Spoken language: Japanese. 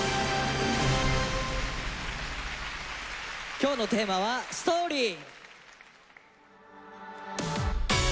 今日のテーマは「ＳＴＯＲＹ」。